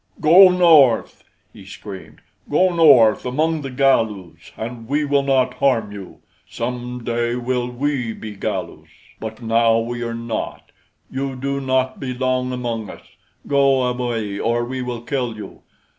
"Go north," he screamed. "Go north among the Galus, and we will not harm you. Some day will we be Galus; but now we are not. You do not belong among us. Go away or we will kill you.